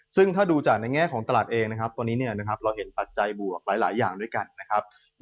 ซึ่งถ้าดูจากในแง่ของตลาดเองนะครับตอนนี้เราเห็นปัจจัยบวกหลายอย่างด้วยกันนะครับ